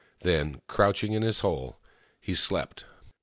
Then, crouching in his hole, he slept.